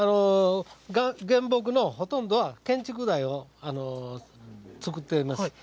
原木のほとんどは建築材で作っています。